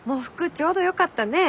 ちょうどよかったねえ。